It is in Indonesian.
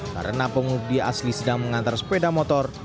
karena pengundi asli sedang mengantar sepeda motor